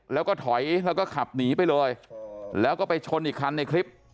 แล้วก็ถอยแล้วก็ขับหนีไปเลยแล้วก็ไปชนอีกคันในคลิป